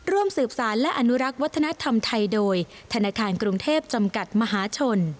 ร่วมสืบสารและอนุรักษ์วัฒนธรรมไทยโดยธนาคารกรุงเทพจำกัดมหาชน